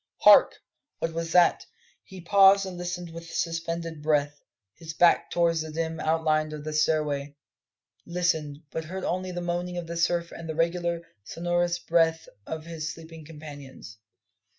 Hark! what was that? He paused and listened with suspended breath, his back towards the dim outline of the stairway; listened, but heard only the moaning of the surf and the regular, sonorous breathing of his sleeping companions.